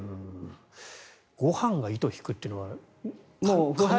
ご飯が糸を引くっていうのは。